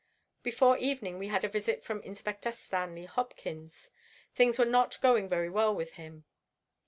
Before evening we had a visit from Inspector Stanley Hopkins. Things were not going very well with him.